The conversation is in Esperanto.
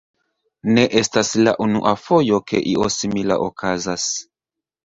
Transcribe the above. Ne estas la unua fojo, ke io simila okazas.